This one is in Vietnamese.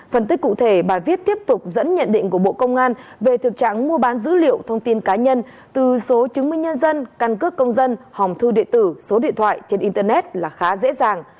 phân tích cụ thể bài viết tiếp tục dẫn nhận định của bộ công an về thực trạng mua bán dữ liệu thông tin cá nhân từ số chứng minh nhân dân căn cước công dân hòm thư địa tử số điện thoại trên internet là khá dễ dàng